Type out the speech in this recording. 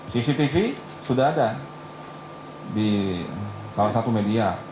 cctv sudah ada di salah satu media